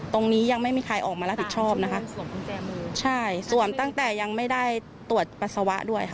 ตรงนี้ยังไม่มีใครออกมารับผิดชอบสวมตั้งแต่ยังไม่ได้ตรวจปัสสาวะด้วย